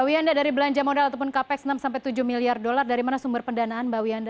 b wiyanda dari belanja modal ataupun capex enam sampai tujuh miliar dolar darimana sumur pendanaan mbak wiyanda